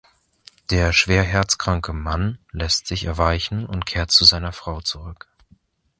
Der schwer herzkranke Mann lässt sich erweichen und kehrt zu seiner Frau zurück.